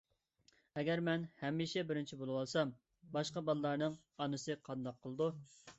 ئەگەر مەن ھەمىشە بىرىنچى بولۇۋالسام، باشقا بالىلارنىڭ ئانىسى قانداق قىلىدۇ؟